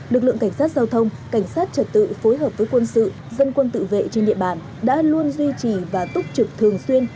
lực lượng cảnh sát giao thông cảnh sát trật tự phối hợp với quân sự dân quân tự vệ trên địa bàn đã luôn duy trì và túc trực thường xuyên